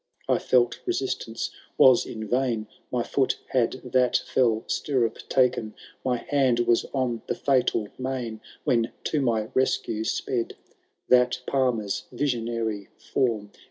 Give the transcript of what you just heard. I felt resistance was in vain, My foot had that fell stiirup ta*en, Mj hand was on the &tal mane, When to my rescue sped That Palmer^s visionary form.